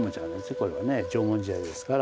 これはね縄文時代ですから。